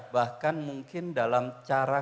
bahkan mungkin dalam cara